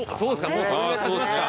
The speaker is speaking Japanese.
もうそれぐらいたちますか。